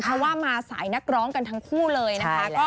เพราะว่ามาสายนักร้องกันทั้งคู่เลยนะคะ